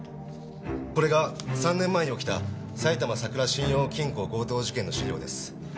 これが３年前に起きた埼玉さくら信用金庫強盗事件の資料です。